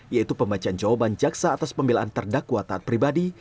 yaitu pembacaan jawaban jaksa atas pembelaan terdakwa taat pribadi